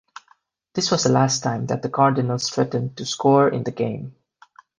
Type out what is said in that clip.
This was the last time that the Cardinals threatened to score in the game.